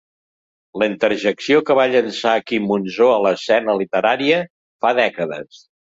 La interjecció que va llançar Quim Monzó a l'escena literària, fa dècades.